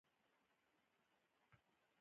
هدف یې یوازې فکري زړه خواله کول دي.